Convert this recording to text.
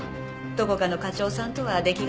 どこかの課長さんとはデキ